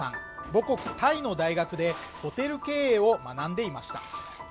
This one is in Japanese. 母国タイの大学でホテル経営を学んでいました